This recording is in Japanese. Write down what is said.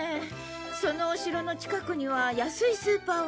そのお城の近くには安いスーパーはあるかしら？